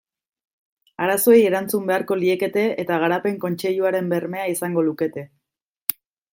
Arazoei erantzun beharko liekete eta Garapen Kontseiluaren bermea izango lukete.